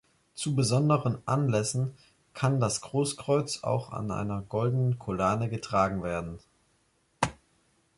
Zu besonderen Anlässen kann das Großkreuz auch an einer goldenen Collane getragen werden.